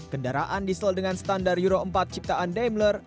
kendaraan diesel dengan standar euro empat ciptaan daimler